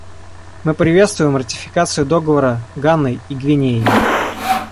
Мы приветствуем ратификацию Договора Ганой и Гвинеей.